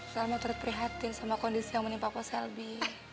selma terus prihatin sama kondisi yang menimpa kau selby